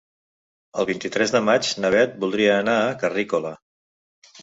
El vint-i-tres de maig na Bet voldria anar a Carrícola.